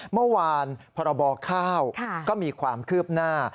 เมื่อวานพรบข้าวก็มีความคืบหน้า